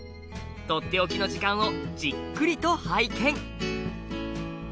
「とっておきの時間」をじっくりと拝見！